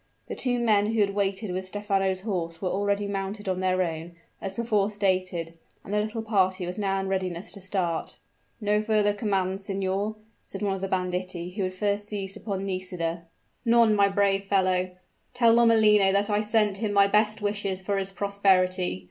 The two men who had waited with Stephano's horse were already mounted on their own, as before stated, and the little party was now in readiness to start. "No further commands, signor?" said one of the banditti who had first seized upon Nisida. "None, my brave fellow. Tell Lomellino that I sent him my best wishes for his prosperity.